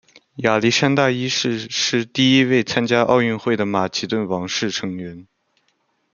亚历山大一世是第一位参加奥运会的马其顿王室成员。